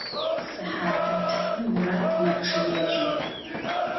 Sıhatır tfım Murat meççıêjı.